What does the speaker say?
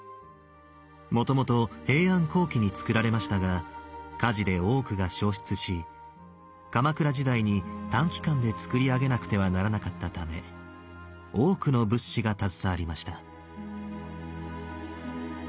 もともと平安後期に造られましたが火事で多くが焼失し鎌倉時代に短期間で造り上げなくてはならなかったため多くの仏師が携わりました。